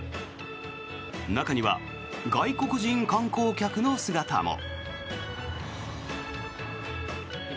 中には外国人観光客の姿も。